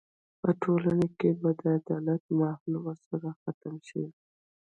په ټولنه کې به د عدالت ماحول ورسره ختم شي.